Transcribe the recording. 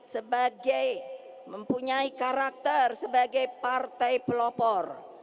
sebagai mempunyai karakter sebagai partai pelopor